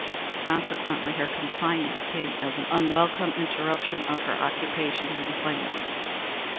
Consequently her confinement came as an unwelcome interruption of her occupations and plans.